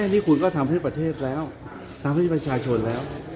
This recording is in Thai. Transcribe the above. นี่คุณก็ทำให้ประเทศแล้วทำให้ประชาชนแล้ว